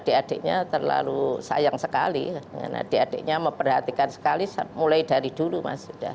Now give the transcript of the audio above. adik adiknya terlalu sayang sekali dengan adik adiknya memperhatikan sekali mulai dari dulu mas